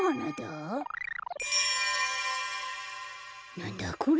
なんだこれ？